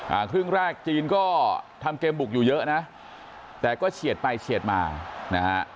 ครึ่งแรกจีนก็ทำเกมบุกอยู่เยอะนะแต่ก็เฉียดไปเฉียดมานะฮะ